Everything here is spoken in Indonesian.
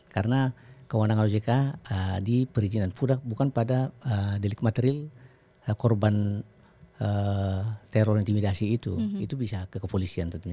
karena kewenangan ojk diperizinan bukan pada delik materil korban teror intimidasi itu itu bisa ke polisian tentunya